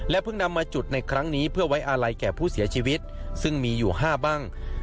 เพิ่งนำมาจุดในครั้งนี้เพื่อไว้อาลัยแก่ผู้เสียชีวิตซึ่งมีอยู่๕บ้าง